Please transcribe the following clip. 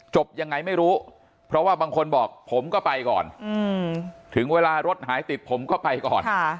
จบยังไงไม่รู้เพราะว่าบางคนบอกผมก็ไปก่อนถึงเวลารถหายติดผมก็ไปก่อน